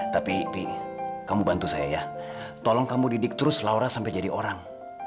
tapi kamu bantu saya ya tolong kamu didik terus laura sampai jadi orang